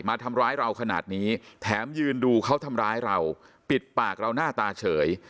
มาทำร้ายเราขนาดนี้แถมยืนดูเขาทำร้ายเราปิดปากเราหน้าตาเฉย